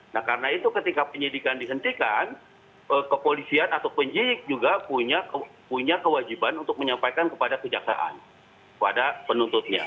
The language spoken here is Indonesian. nah karena itu ketika penyidikan dihentikan kepolisian atau penyidik juga punya kewajiban untuk menyampaikan kepada kejaksaan kepada penuntutnya